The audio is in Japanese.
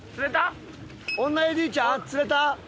女ＡＤちゃん釣れた？